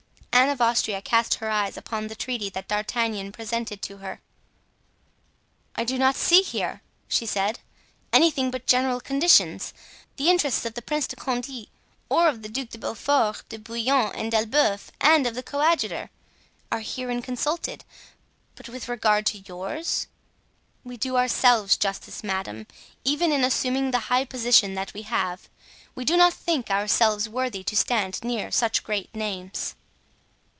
Anne of Austria cast her eyes upon the treaty that D'Artagnan presented to her. "I do not see here," she said, "anything but general conditions; the interests of the Prince de Conti or of the Ducs de Beaufort, de Bouillon and d'Elbeuf and of the coadjutor, are herein consulted; but with regard to yours?" "We do ourselves justice, madame, even in assuming the high position that we have. We do not think ourselves worthy to stand near such great names."